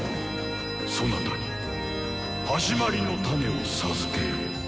そなたに「始まりのタネ」を授けよう。